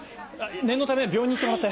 念のため病院に行ってもらって。